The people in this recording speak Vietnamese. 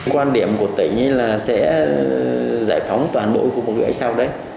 quan điểm của tỉnh là sẽ giải phóng toàn bộ khu công nghệ sau đấy